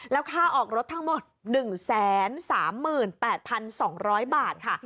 แล้วค่าออกรถทั้งหมด๑๓๘๒๐๐บาทค่ะ